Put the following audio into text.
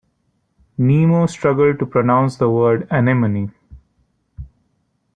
Nemo struggled to pronounce the word Anemone.